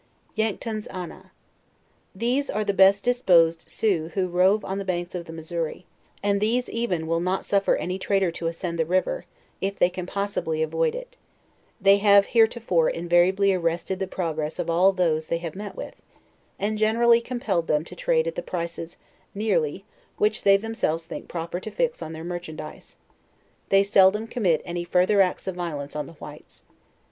YANKTONS AHNAH. These are the best disposed Sioux who rove on the banks of the Missouri, and these even will not suffer any trader to ascend the river, if they can possibly avoid it: they have, heretofore, invariably arrested the pro gress of all those they have, met with, and generally compel led them to trade at the prices, nearly, which they them selves think proper to fix on their merchandise: they seldom commit any further acts of violence on the whites.